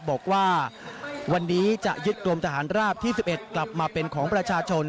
บอกว่าวันนี้จะยึดกรมทหารราบที่๑๑กลับมาเป็นของประชาชน